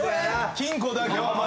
金庫だけは。